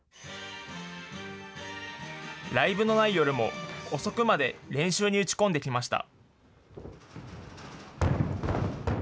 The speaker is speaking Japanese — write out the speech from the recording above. ライブのない夜も、遅くまで練習に打ち込んできました。